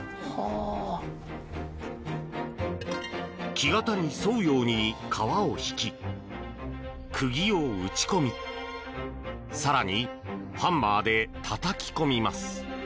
木型に沿うように革を引き釘を打ち込み更にハンマーでたたき込みます。